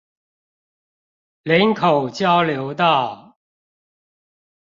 嶺口交流道